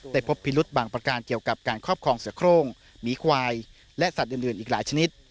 พบพิรุษบางประการเกี่ยวกับการครอบครองเสือโครงหมีควายและสัตว์อื่นอีกหลายชนิด